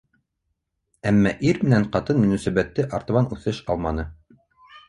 Әммә ир менән ҡатын мөнәсәбәте артабан үҫеш алманы.